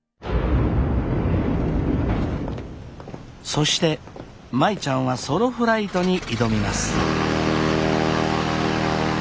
そして舞ちゃんはソロフライトに挑みます。